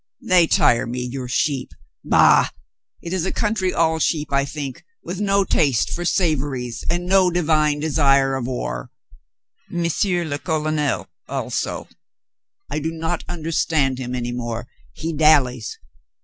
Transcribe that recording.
"They tire me, your sheep. Bah, it is a coun try all sheep, I think, with no taste for savories and no divine desire of war. M. le Colonel also, I do not understand him any more. He dallies.